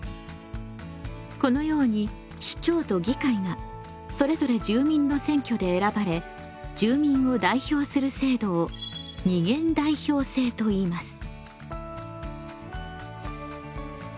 このように首長と議会がそれぞれ住民の選挙で選ばれ住民を代表する制度を二元代表制といいます。